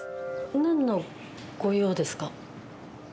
何のご用ですか？